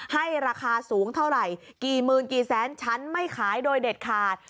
ให้ราคาสูงเท่าไหร่กี่หมื่นกี่แสนฉันไม่ขายโดยเด็ดขาด